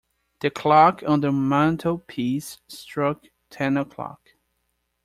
The clock on the mantelpiece struck ten o’clock.